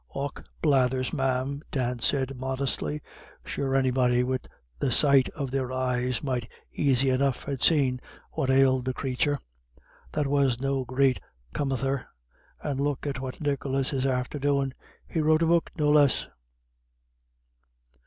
"Och blathers, ma'am," Dan said, modestly, "sure anybody wid the sight of their eyes might aisy enough ha' seen what ailed the crathur. That was no great comether. And look at what Nicholas is after doin'; he's wrote a book, no less."